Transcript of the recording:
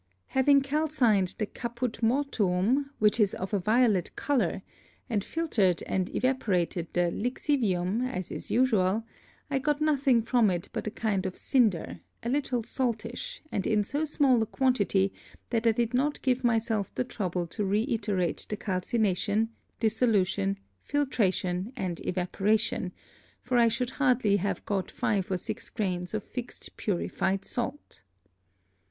Having calcined the Caput Mortuum, which is of a violet Colour and filtred and evaporated the Lixivium, as is usual; I got nothing from it but a kind of Cynder, a little saltish, and in so small a quantity, that I did not give myself the trouble to reiterate the Calcination, Dissolution, Filtration, and Evaporation; for I should hardly have got five or six Grains of fixed purified Salt.